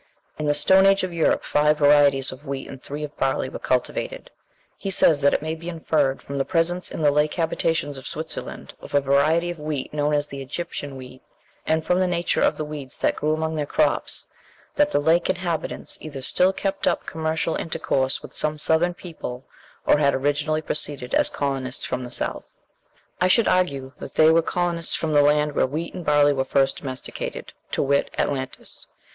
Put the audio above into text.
In the Stone Age of Europe five varieties of wheat and three of barley were cultivated. (Darwin, "Animals and Plants," vol. i., p. 382.) He says that it may be inferred, from the presence in the lake habitations of Switzerland of a variety of wheat known as the Egyptian wheat, and from the nature of the weeds that grew among their crops, "that the lake inhabitants either still kept up commercial intercourse with some southern people, or had originally proceeded as colonists from the south." I should argue that they were colonists from the land where wheat and barley were first domesticated, to wit, Atlantis.